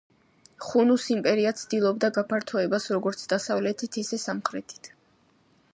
ხუნუს იმპერია ცდილობდა გაფართოებას როგორც დასავლეთით ისე სამხრეთით.